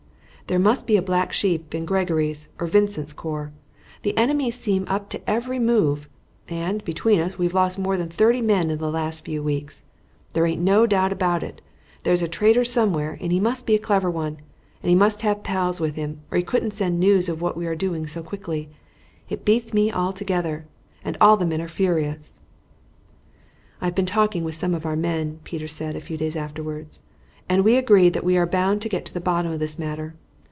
There must be a black sheep in Gregory's or Vincent's corps. The enemy seem up to every move, and, between us, we have lost more than thirty men in the last few weeks. There aint no doubt about it there's a traitor somewhere and he must be a clever one, and he must have pals with him, or he couldn't send news of what we are doing so quickly. It beats me altogether, and the men are all furious." "I've been talking with some of our men," Peter said a few days afterward, "and we agree that we are bound to get to the bottom of this matter.